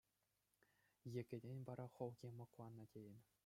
Йӗкӗтӗн вара хӑлхи мӑкланнӑ тейӗн.